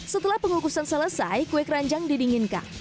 setelah pengukusan selesai kue keranjang didinginkan